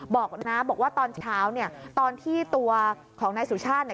บอกนะบอกว่าตอนเช้าตอนที่ตัวของนายสุชาติ